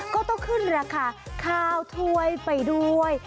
ก็ต้องขึ้นราคาข้าวถ้วยไปด้วย